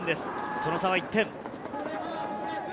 その差は１点。